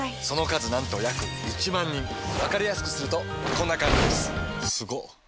その数なんと約１万人わかりやすくするとこんな感じすごっ！